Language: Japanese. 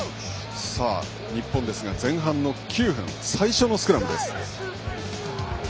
日本は前半９分最初のスクラムです。